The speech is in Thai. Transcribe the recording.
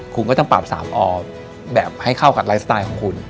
คุณก็ต้องปรับ๓ออกแบบให้เข้ากับไลฟ์สไตล์ของคุณ